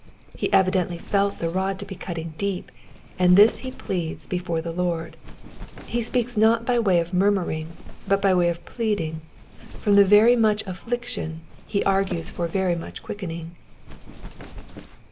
He evidently felt the rod to be cutting deep, and this he pleads before the Lord. He speaks not by way of murmunng, but by way of pleading ; from the very mucn affliction he argues for very much quickening.